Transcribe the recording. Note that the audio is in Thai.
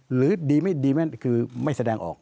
หรือดีมั้ยดีมั้ยคือไม่แสดงออก